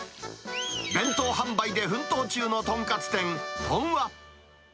弁当販売で奮闘中の豚カツ店、とん和。